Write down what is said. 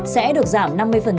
sẽ được giảm năm mươi